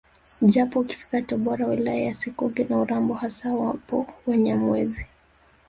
Japo ukifika Tabora wilaya ya Sikonge na Urambo hasa wapo Wanyamwezi